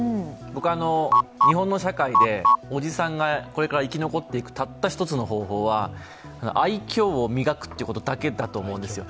僕は日本の社会でおじさんがこれから生き残っていくたった一つの方法は、愛きょうを磨くということだけだと思うんですよ。